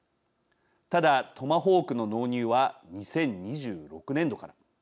ただトマホークの納入は２０２６年度から。